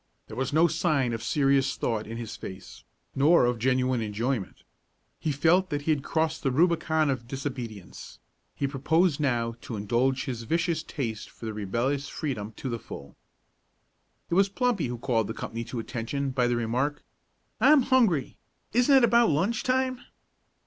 There was no sign of serious thought in his face, nor of genuine enjoyment. He felt that he had crossed the Rubicon of disobedience; he proposed now to indulge his vicious taste for rebellious freedom to the full. It was Plumpy who called the company to attention by the remark, "I'm hungry. Isn't it about lunch time?"